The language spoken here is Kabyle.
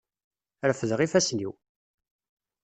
Refdeɣ ifassen-iw.